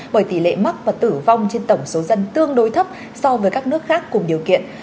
bởi tỷ lệ mắc và tử vong trên tổng số dân tương đối thấp so với các nước khác cùng điều kiện